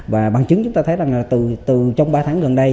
và bằng chứng chúng ta thấy rằng là trong ba tháng gần đây